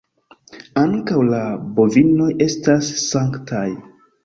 Ankaŭ la bovinoj estas sanktaj.